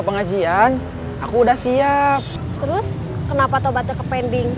terus kenapa tobatnya ke pending